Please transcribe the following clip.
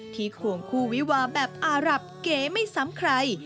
ควงคู่วิวาแบบอารับเก๋ไม่ซ้ำใคร